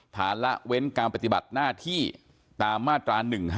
ละเว้นการปฏิบัติหน้าที่ตามมาตรา๑๕